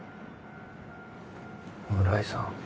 村井さん？